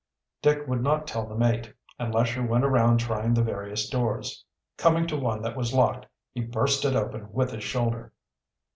Dick would not tell the mate, and Lesher went around trying the various doors. Coming to one that was locked he burst it open with his shoulder.